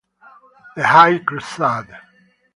The High Crusade